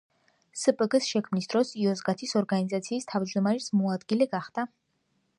სგპ-ს შექმნის დროს იოზგათის ორგანიზაციის თავჯდომარის მოადგილე გახდა.